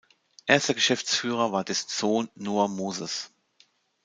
Erster Geschäftsführer war dessen Sohn Noah Mozes.